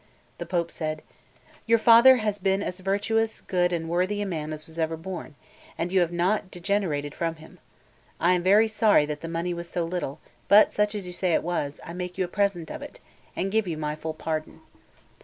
The Pope said: "Your father has been as virtuous, good, and worthy a man as was ever born, and you have not degenerated from him. I am very sorry that the money was so little; but such as you say it was, I make you a present of it, and give you my full pardon.